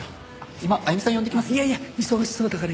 今あゆみさん呼んできます。